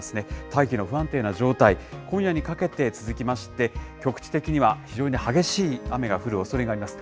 大気の不安定な状態、今夜にかけて続きまして、局地的には非常に激しい雨が降るおそれがあります。